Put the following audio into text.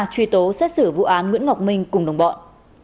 truy tố xét xử vụ án nguyễn ngọc minh cùng đồng bọn